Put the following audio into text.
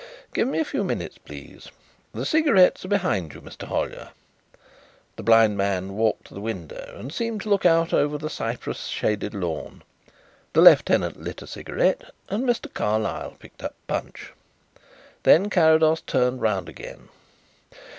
"Give me a few minutes, please. The cigarettes are behind you, Mr. Hollyer." The blind man walked to the window and seemed to look out over the cypress shaded lawn. The lieutenant lit a cigarette and Mr. Carlyle picked up Punch. Then Carrados turned round again.